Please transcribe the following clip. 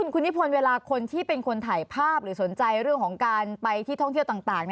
คุณนิพนธ์เวลาคนที่เป็นคนถ่ายภาพหรือสนใจเรื่องของการไปที่ท่องเที่ยวต่าง